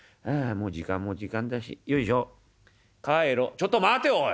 「ちょっと待ておい！